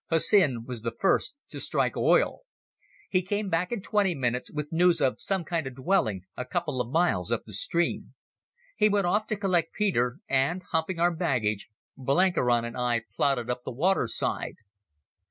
Hussin was the first to strike oil. He came back in twenty minutes with news of some kind of dwelling a couple of miles up the stream. He went off to collect Peter, and, humping our baggage, Blenkiron and I plodded up the waterside.